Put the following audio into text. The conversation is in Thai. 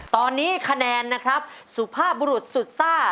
ตอนนี้คะแนนนะครับสุภาพบุรุษสุดซ่า